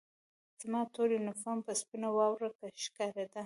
زما تور یونیفورم په سپینه واوره کې ښکارېده